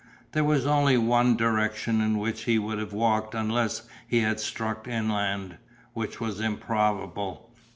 There was only one direction in which he would have walked unless he had struck inland, which was improbable.